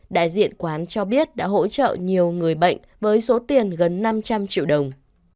đại diện quán cho biết đã hỗ trợ nhiều người bệnh với số tiền gần năm trăm linh triệu đồng